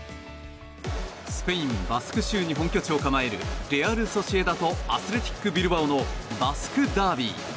スペイン・バスク州に本拠地を構えるレアル・ソシエダとアスレティック・ビルバオのバスクダービー。